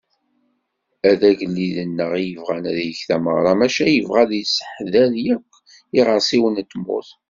A d agellid-nneγ i yebγan ad yeg tameγra, maca yebγa ad yesseḥdeṛ yakk iγersiwen n tmurt.